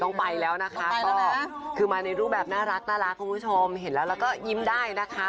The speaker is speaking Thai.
ไปแล้วนะคะก็คือมาในรูปแบบน่ารักคุณผู้ชมเห็นแล้วแล้วก็ยิ้มได้นะคะ